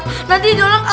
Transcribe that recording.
emang ini bukan tuyul